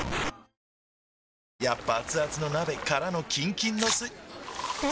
やっぱアツアツの鍋からのキンキンのスん？